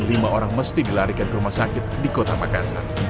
lima orang mesti dilarikan ke rumah sakit di kota makassar